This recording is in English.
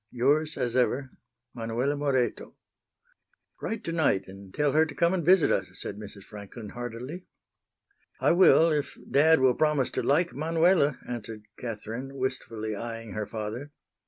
Yours as ever, MANUELA MORETO. "Write tonight and tell her to come and visit us," said Mrs. Franklin, heartily. "I will if dad will promise to like Manuela," answered Catherine, wistfully eying her father.